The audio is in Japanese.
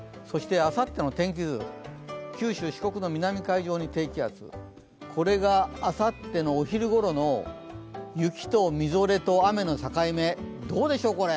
そしてあさっての天気図、九州・四国の南海上に低気圧、これがあさってのお昼ごろの雪とみぞれと雨の境目、どうでしょう